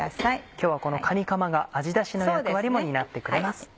今日はこのかにかまが味ダシの役割も担ってくれます。